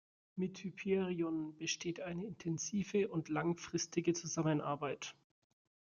Mit Hyperion besteht eine intensive und langfristige Zusammenarbeit.